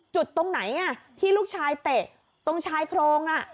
ตรงไหนที่ลูกชายเตะตรงชายโครง